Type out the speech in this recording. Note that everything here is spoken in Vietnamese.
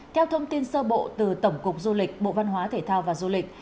theo thông tin sơ bộ từ tổng cục du lịch bộ văn hóa thể thao và du lịch